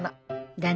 だね。